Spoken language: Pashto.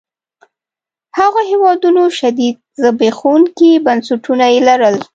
هغو هېوادونو شدید زبېښونکي بنسټونه يې لرل.